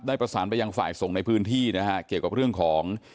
ประสานไปยังฝ่ายส่งในพื้นที่นะฮะเกี่ยวกับเรื่องของ